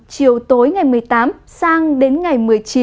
chiều tối ngày một mươi tám sang đến ngày một mươi chín